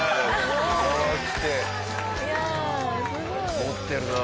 持ってるなあ。